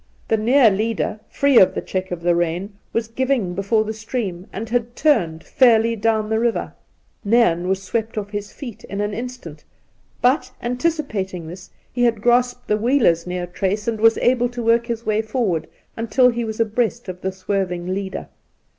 The near leader, free of the check of the rein, was giving before the stream, and had turned fairly down the river. Nairn was swept oflF his feet in an instant, but, anticipating this, he had grasped the wheeler's near trace, and was able to work his way forward until he was abreast of the swerving leader.